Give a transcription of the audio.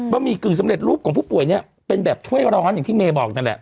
หมี่กึ่งสำเร็จรูปของผู้ป่วยเนี่ยเป็นแบบถ้วยร้อนอย่างที่เมย์บอกนั่นแหละ